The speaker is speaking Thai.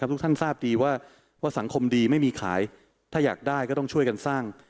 ทุกท่านทราบดีว่าสังคมดีไม่มีขายถ้าอยากได้ก็ต้องช่วยกันสร้าง